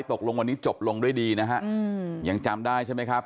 ตกลงวันนี้จบลงด้วยดีนะฮะยังจำได้ใช่ไหมครับ